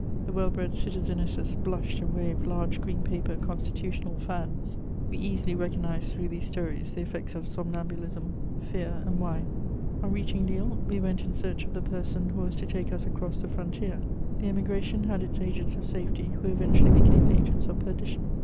The well bred citizenesses blushed and waved large green paper "Constitutional" fans. We easily recognised through these stories the effects of somnambulism, fear and wine. [Sidenote: We cross the frontier.] On reaching Lille, we went in search of the person who was to take us across the frontier. The Emigration had its agents of safety who eventually became agents of perdition.